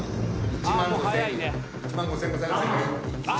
１万５，０００円ございませんか？